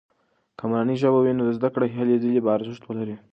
که مورنۍ ژبه وي، نو د زده کړې هلې ځلې به ارزښت ولري.